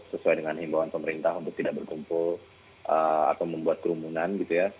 sesuai dengan imbauan pemerintah untuk tidak berkumpul atau membuat kerumunan gitu ya